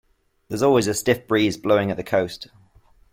There's always a stiff breeze blowing at the coast.